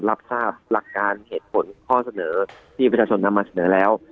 รับทราบหลักการเหตุผลข้อเสนอที่ประชาชนนำมาเสนอแล้ว